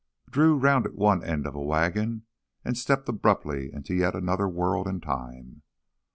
Drew rounded one end of a wagon and stepped abruptly into yet another world and time.